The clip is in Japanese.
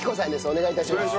お願い致します。